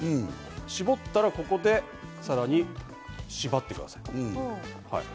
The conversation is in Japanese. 絞ったらここで、さらに縛ってください。